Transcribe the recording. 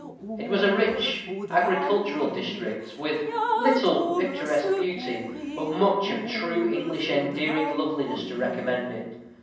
It was a rich agricultural district, with little picturesque beauty, but much of true English endearing loveliness to recommend it.